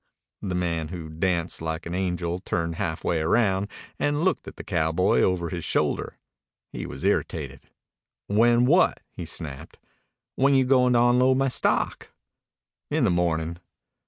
The man who danced like an angel turned halfway round, and looked at the cowboy over his shoulder. He was irritated. "When what?" he snapped. "When you goin' to onload my stock?" "In the morning."